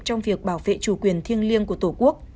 trong việc bảo vệ chủ quyền thiêng liêng của tổ quốc